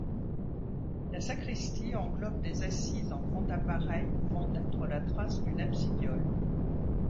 La sacristie englobe des assises en grand appareil pouvant être la trace d'une absidiole.